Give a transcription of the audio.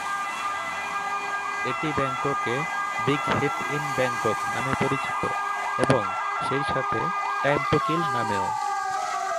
এটি ব্যাংককে "big hit in Bangkok" নামে পরিচিত, এবং সেই সাথে "টাইম টু কিল" নামেও।